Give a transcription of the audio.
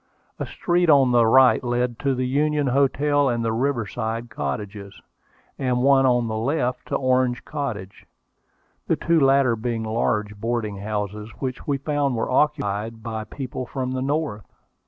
A street on the right led to the Union Hotel and the Riverside Cottages, and one on the left to Orange Cottage, the two latter being large boarding houses, which we found were occupied by people from the North.